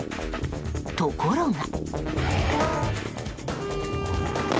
ところが。